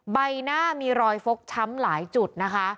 ใบหน้ามีรอยฟกช้ำหลายจุดนะคะ